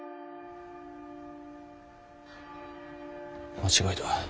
間違いだ。